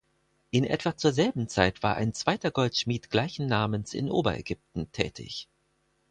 In etwa zur selben Zeit war ein zweiter Goldschmied gleichen Namens in Oberägypten tätig.